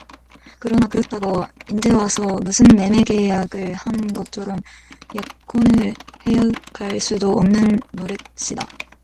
그러나 그렇다고 인제 와서 무슨 매매계약을 한 것처럼 약혼을 해약할 수도 없는 노릇이다.